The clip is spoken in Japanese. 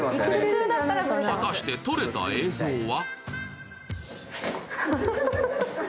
果たして撮れた映像は？